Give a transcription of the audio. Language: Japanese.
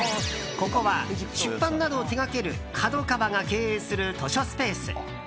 ここは出版などを手掛ける角川が経営する図書スペース。